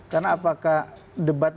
karena apakah debat